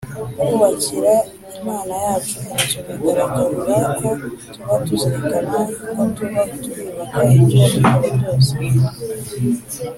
kubakira Imana yacu inzu bigaragaza ko tuba tuzirikana ko tuba twibuka ibyo yadukoreye byose